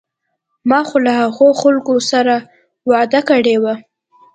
ما خو له هغو خلکو سره وعده کړې وه.